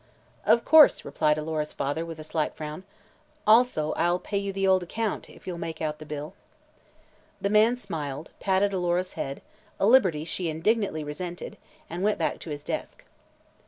"Of course," replied Alora's father, with a slight frown. "Also I'll pay you the old account, if you'll make out the bill." The man smiled, patted Alora's head a liberty she indignantly resented and went back to his desk.